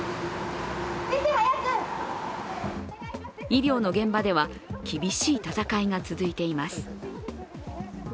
医療の現場では厳しい闘いが続いています。